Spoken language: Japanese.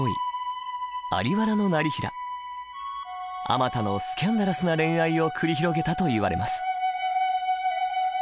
あまたのスキャンダラスな恋愛を繰り広げたといわれます。